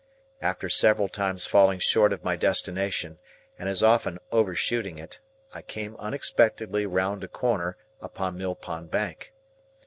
After several times falling short of my destination and as often overshooting it, I came unexpectedly round a corner, upon Mill Pond Bank.